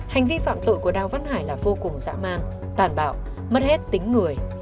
hành vi phạm tội của đào văn hải là vô cùng dã man tàn bạo mất hết tính người